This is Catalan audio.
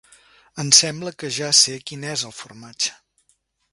“Em sembla que ja sé quin és el formatge.